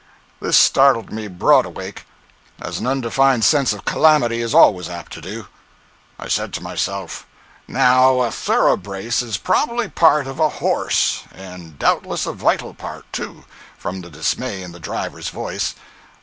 This startled me broad awake—as an undefined sense of calamity is always apt to do. I said to myself: "Now, a thoroughbrace is probably part of a horse; and doubtless a vital part, too, from the dismay in the driver's voice.